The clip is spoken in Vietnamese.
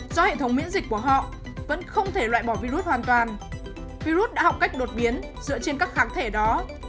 do hệ thống miễn dịch của họ vẫn không thể loại bỏ virus hoàn toàn virus đã học cách đột biến dựa trên các kháng thể đó